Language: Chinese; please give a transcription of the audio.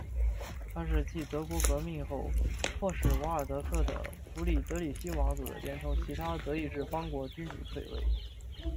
它是继德国革命后迫使瓦尔德克的弗里德里希王子连同其他德意志邦国君主退位。